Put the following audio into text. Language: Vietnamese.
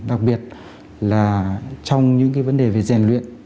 đặc biệt là trong những vấn đề về giàn luyện